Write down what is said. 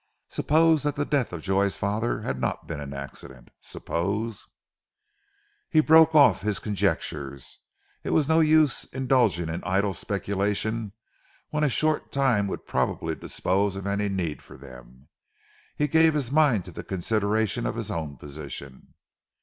Suppose that the death of Joy's father had not been an accident, suppose He broke off his conjectures. It was no use indulging in idle speculations when a short time would probably dispose of any need for them. He gave his mind to the consideration of his own position.